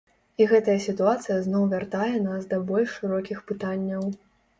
І гэтая сітуацыя зноў вяртае нас да больш шырокіх пытанняў.